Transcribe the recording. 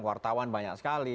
wartawan banyak sekali